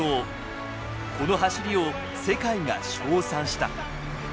この走りを世界が賞賛した。